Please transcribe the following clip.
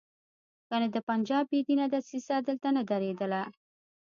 کنه د پنجاب بې دینه دسیسه دلته نه درېدله.